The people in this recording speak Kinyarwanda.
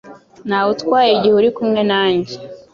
Ntawe utwaye igihe uri kumwe nanjye.